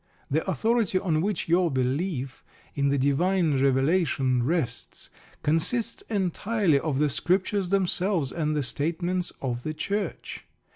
The authority on which your belief in the divine revelation rests consists entirely of the Scriptures themselves and the statements of the Church.